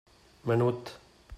Menut.